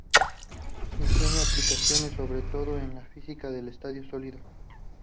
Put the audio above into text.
Y tiene aplicaciones sobre todo en la Física del estado sólido.